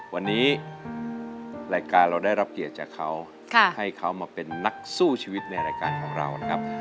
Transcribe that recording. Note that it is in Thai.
วันนี้รายการเราได้รับเกียรติจากเขาให้เขามาเป็นนักสู้ชีวิตในรายการของเรานะครับ